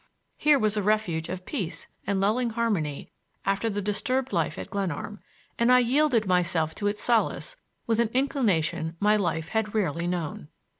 Here was a refuge of peace and lulling harmony after the disturbed life at Glenarm, and I yielded myself to its solace with an inclination my life had rarely known.